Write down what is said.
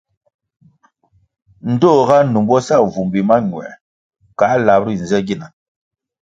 Ndtoh ga numbo sa vumbi mañuer kăh lap ri nze gina.